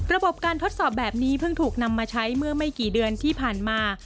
ระบบการทดสอบแบบนี้เพิ่งถูกนำมาใช้เมื่อไม่กี่เดือนที่ผ่านมา